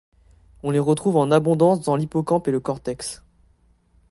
On les retrouve en abondance dans l'hippocampe et le cortex.